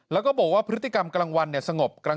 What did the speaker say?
แล้วก็บอกว่าพฤติกรรมกลางวันสงบ